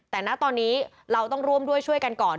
แต่ณตอนนี้เราต้องร่วมด้วยช่วยกันก่อน